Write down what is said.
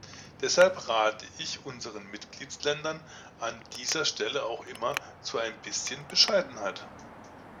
Deshalb rate ich unseren Mitgliedsländern an dieser Stelle auch immer zu ein bisschen Bescheidenheit.